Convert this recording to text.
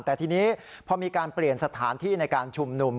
แต่ทีนี้พอมีการเปลี่ยนสถานที่ในการชุมนุม